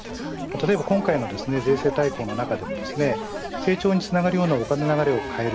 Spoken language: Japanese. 今回の税制大綱の中で成長につながるようなお金の流れを変える